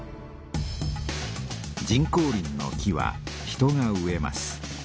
人工林の木は人が植えます。